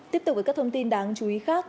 tiếp tục với các thông tin đáng chú ý khác